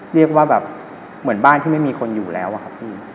เรียกว่าแบบเหมือนบ้านที่ไม่มีคนอยู่แล้วอะครับพี่